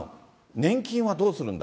年金はどうするんだ。